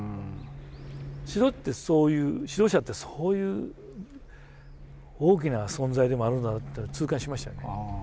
指導ってそういう指導者ってそういう大きな存在でもあるんだなって痛感しましたよね。